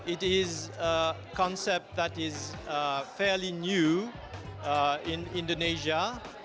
ini adalah konsep yang cukup baru di indonesia